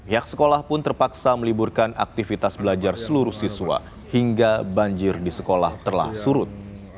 yang sekolah pun terpaksa meliburkan aktivitas belajar seluruh siswa hingga banjir di sekolah telah surut